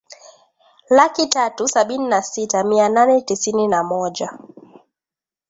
laki tatu sabini na sita mia nane tisini na moja